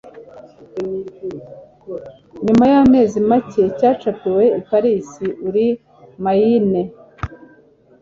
Nyuma y'amezi make cyacapiwe i Paris uri Maine